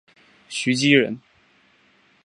徐积人。